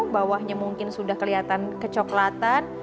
bawahnya mungkin sudah kelihatan kecoklatan